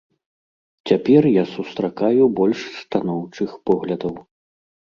Цяпер я сустракаю больш станоўчых поглядаў.